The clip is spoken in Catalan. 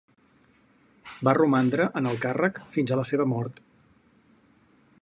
Va romandre en el càrrec fins a la seva mort.